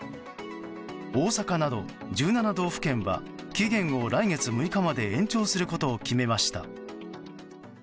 大阪など１７道府県は期限を来月６日まで延長することを決めました。